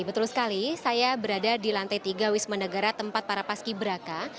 betul sekali saya berada di lantai tiga wisma negara tempat para paski braka